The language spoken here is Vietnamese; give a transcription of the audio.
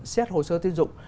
xét hồ sơ tiêu dụng